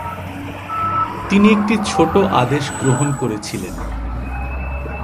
তিনি একটি ছোট আদেশ গ্রহণ করেছিলেন।